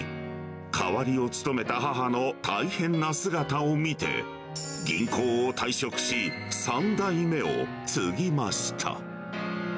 代わりを務めた母の大変な姿を見て、銀行を退職し、３代目を継ぎました。